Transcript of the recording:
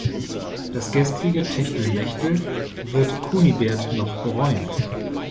Das gestrige Techtelmechtel wird Kunibert noch bereuen.